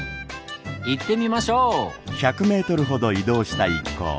行ってみましょう！